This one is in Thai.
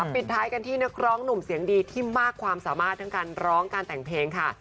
ปิดท้ายกันที่นักร้องหนุ่มเสียงดีที่มากความสามารถทั้งการร้องการแต่งเพลงค่ะ